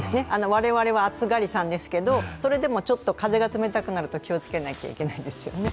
我々は暑がりさんですけれどもそれでもちょっと風が冷たくなると気をつけないといけなくなりますよね。